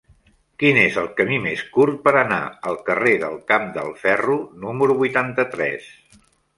Quin és el camí més curt per anar al carrer del Camp del Ferro número vuitanta-tres?